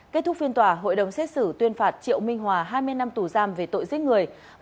kết thúc phiên tòa hội đồng xét xử tuyên phạt triệu minh hòa hai mươi năm tù giam về tội giết người